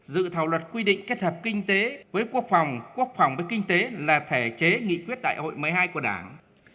dự thảo luật quy định kết hợp kinh tế với quốc phòng quốc phòng với kinh tế là thể chế nghị quyết đại hội một mươi hai của đảng